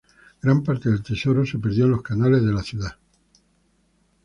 Gran parte del tesoro se perdió en los canales de la ciudad.